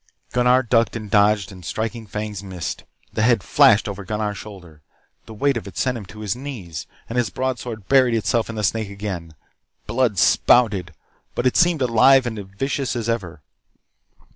Gunnar ducked and dodged and the striking fangs missed. The head flashed over Gunnar's shoulder. The weight of it sent him to his knees, and his broadsword buried itself in the snake again. Blood spouted, but it seemed as alive and vicious as ever.